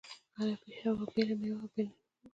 هر یوې بېله مېوه او بېل یې نوم و.